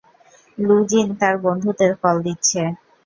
লু জিন তার বন্ধুদের কল দিচ্ছে।